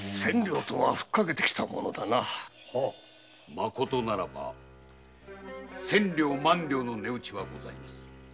まことならば千両・万両の値打ちはございます。